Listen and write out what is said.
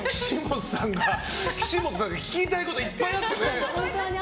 岸本さんが聞きたいこといっぱいあってね。